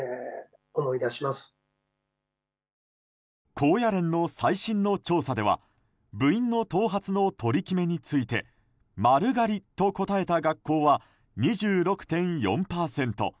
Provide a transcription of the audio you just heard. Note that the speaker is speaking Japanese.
高野連の最新の調査では部員の頭髪の取り決めについて丸刈りと答えた学校は２６．４％。